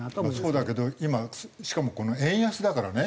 そうだけど今しかも円安だからね。